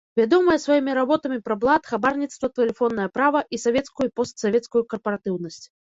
Вядомая сваімі работамі пра блат, хабарніцтва, тэлефоннае права і савецкую і постсавецкую карпаратыўнасць.